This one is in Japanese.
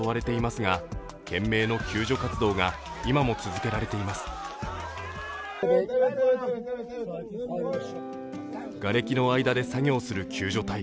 がれきの間で作業する救助隊。